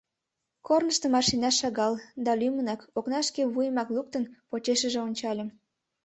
Корнышто машина шагал, да лӱмынак, окнашке вуйымак луктын, почешыже ончальым.